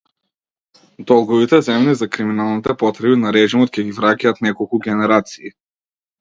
Долговите земени за криминалните потреби на режимот ќе ги враќаат неколку генерации.